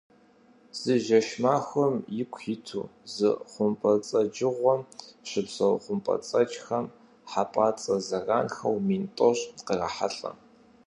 Зы жэщ-махуэм ику иту зы хъумпӀэцӀэджыгъуэм щыпсэу хъумпӀэцӀэджхэм хьэпӀацӀэ зэранхэу мин тӀощӀ кърахьэлӀэ.